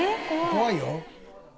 怖いよ。